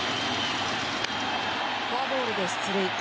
フォアボールで出塁。